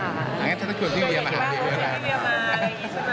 อย่างนั้นฉันต้องชวนพี่เวียมาหาพี่เวียบ้าน